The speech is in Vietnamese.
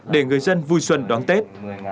để người dân vui xuân đón tết